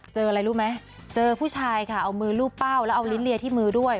เจออะไรรู้ไหมเจอผู้ชายค่ะเอามือรูปเป้าแล้วเอาลิ้นเลียที่มือด้วย